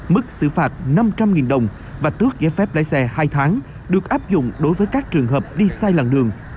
mức xử phạt năm trăm linh đồng và tước giấy phép lái xe hai tháng được áp dụng đối với các trường hợp đi sai làng đường